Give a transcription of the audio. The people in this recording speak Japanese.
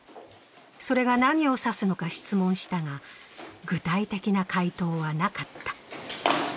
それが何を指すのか質問したが具体的な回答はなかった。